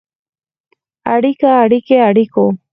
اړیکه ، اړیکې، اړیکو.